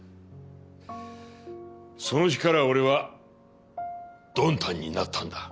その日から俺はドンタンになったんだ。